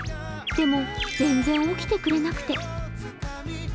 でも全然起きてくれなくて。